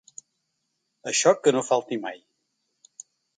Això que no falti mai.